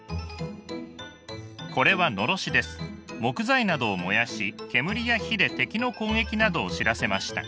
これは木材などを燃やし煙や火で敵の攻撃などを知らせました。